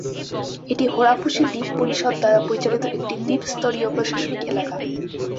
এটি হোরাফুশি দ্বীপ পরিষদ দ্বারা পরিচালিত একটি দ্বীপ-স্তরীয় প্রশাসনিক এলাকা।